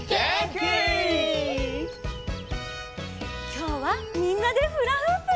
きょうはみんなでフラフープ！